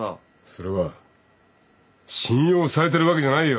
それは信用されてるわけじゃないよ。